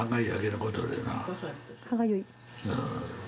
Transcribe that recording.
歯がゆい？